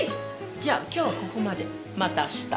じゃあ今日はここまでまた明日。